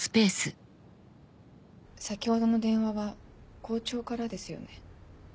先ほどの電話は校長からですよね？